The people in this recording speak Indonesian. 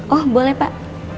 oh boleh pak